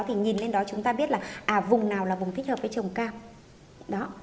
thì nhìn lên đó chúng ta biết là vùng nào là vùng thích hợp với trồng cam